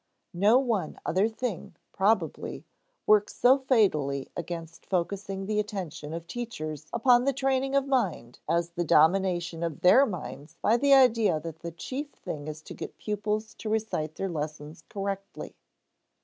No one other thing, probably, works so fatally against focussing the attention of teachers upon the training of mind as the domination of their minds by the idea that the chief thing is to get pupils to recite their lessons correctly.